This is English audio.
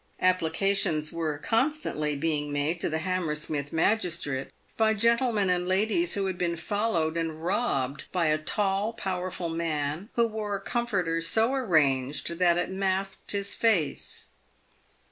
Applications were constantly being made to the Ham mersmith magistrate by gentlemen and ladies who had been followed and robbed by a tall, powerful man, who wore a comforter so arranged that it masked his face.